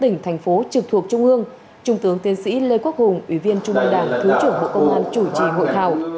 tỉnh thành phố trực thuộc trung ương trung tướng tiên sĩ lê quốc hùng ủy viên trung bộ đảng thứ trưởng bộ công an chủ trì hội thảo